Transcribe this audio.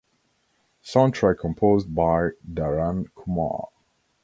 Soundtrack composed by Dharan Kumar.